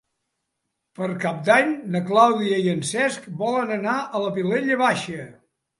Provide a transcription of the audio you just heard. Per Cap d'Any na Clàudia i en Cesc volen anar a la Vilella Baixa.